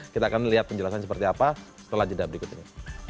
kita akan lihat penjelasan seperti apa setelah jeda berikut ini